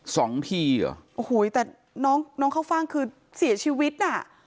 สองทีเหรอโอ้โหแต่น้องน้องเข้าฟ่างคือเสียชีวิตน่ะ